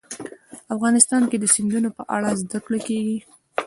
افغانستان کې د سیندونه په اړه زده کړه کېږي.